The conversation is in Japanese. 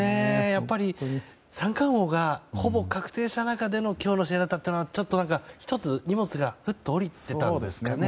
やっぱり、三冠王がほぼ確定した中での今日の試合だったというのは１つ、荷物がふっと下りてたんですかね。